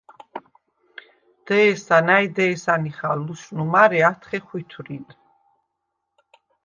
დე̄სა, ნა̈ჲ დე̄სა ნიხალ ლუშნუ, მარე ათხე ხვითვრიდ.